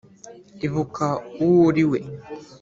ibuka uwo uri we